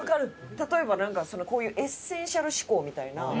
例えばこういう『エッセンシャル思考』みたいな。